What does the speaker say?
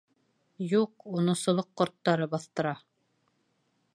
— Юҡ, уны солоҡ ҡорттары баҫтыра.